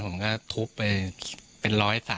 ผมก็ทุบไปเป็นร้อยศาล